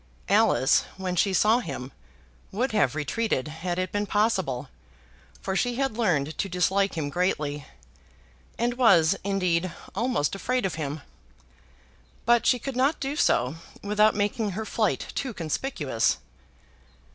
Alice, when she saw him, would have retreated had it been possible, for she had learned to dislike him greatly, and was, indeed, almost afraid of him; but she could not do so without making her flight too conspicuous.